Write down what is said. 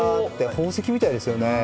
宝石みたいですよね。